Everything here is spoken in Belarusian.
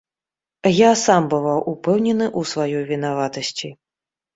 Я сам бываў упэўнены ў сваёй вінаватасці.